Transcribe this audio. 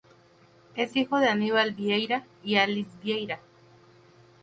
Es hijo de Anibal Vieira y Alice Vieira.